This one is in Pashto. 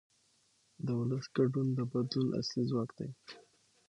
د ولس ګډون د بدلون اصلي ځواک دی